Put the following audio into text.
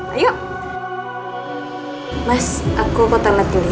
aku bisa nangis nangis soal rena ke mirna pas ada di toilet